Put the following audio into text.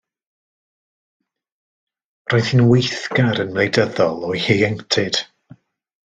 Roedd hi'n weithgar yn wleidyddol o'i hieuenctid.